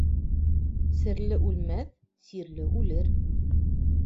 Серле үлмәҫ, сирле үлер.